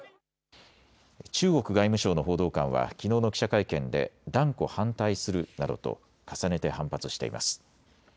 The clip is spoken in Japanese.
中国外務省の報道官はきのうの記者会見で断固反対するなどと重ねて反発しています。